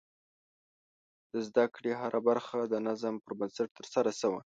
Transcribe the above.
د زده کړې هره برخه د نظم پر بنسټ ترسره شوه.